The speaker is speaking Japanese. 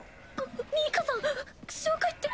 ニカさん紹介って。